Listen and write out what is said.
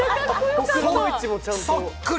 そっくり。